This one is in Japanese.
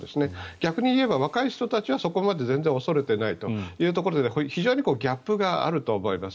逆に言えば若い人たちはそこまで全然恐れていないというところで非常にギャップがあると思います。